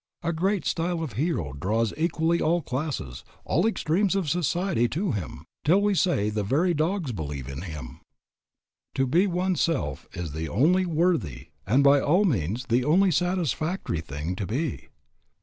"A great style of hero draws equally all classes, all extremes of society to him, till we say the very dogs believe in him." To be one's self is the only worthy, and by all means the only satisfactory, thing to be.